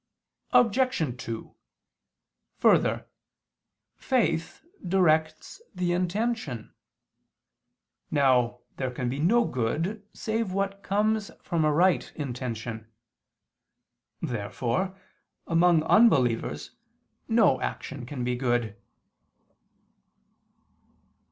Obj. 2: Further, faith directs the intention. Now there can be no good save what comes from a right intention. Therefore, among unbelievers, no action can be good.